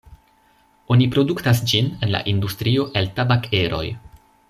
Oni produktas ĝin en la industrio el tabak-eroj.